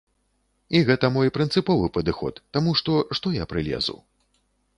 І гэта мой прынцыповы падыход, таму што, што я прылезу?